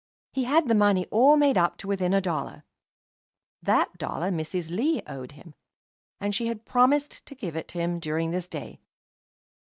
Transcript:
He had the money all made up to within a dollar. That dollar Mrs. Lee owed him, and she had promised to give it to him during this day.